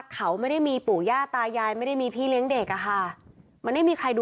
ขอบคุณครับ